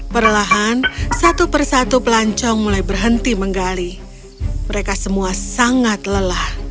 perlahan satu persatu pelancong mulai berhenti menggali mereka semua sangat lelah